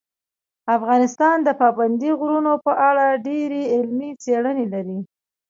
افغانستان د پابندي غرونو په اړه ډېرې علمي څېړنې لري.